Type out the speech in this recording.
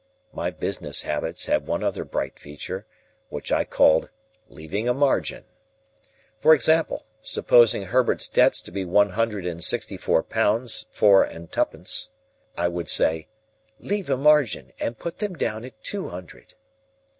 My business habits had one other bright feature, which I called "leaving a Margin." For example; supposing Herbert's debts to be one hundred and sixty four pounds four and twopence, I would say, "Leave a margin, and put them down at two hundred."